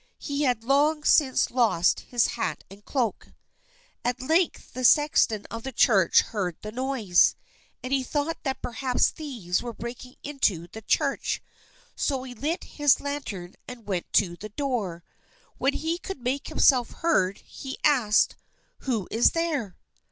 He had long since lost his hat and cloak. At length the sexton of the church heard the noise, and he thought that perhaps thieves were breaking into the church, so he lit his lantern and went to the door. When he could make himself heard, he asked, "Who is there?"